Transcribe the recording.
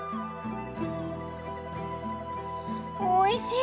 おいしい！